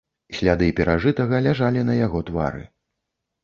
Сляды перажытага ляжалі на яго твары.